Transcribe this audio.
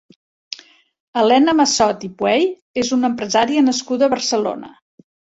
Elena Massot i Puey és una empresària nascuda a Barcelona.